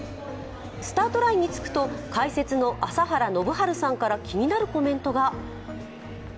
スタートラインにつくと解説の朝原宣治さんから気になるコメントが。